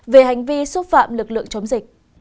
về hành vi xúc phạm lực lượng chống dịch